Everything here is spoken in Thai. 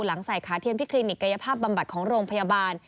หลังใส่ขาเทียมที่คลินิกกายภาพบำบัดของโรงพยาบาล